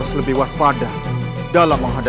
kenapa saya tidak bisa melihatnya